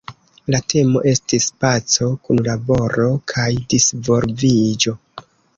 La temo estis "Paco, Kunlaboro kaj Disvolviĝo".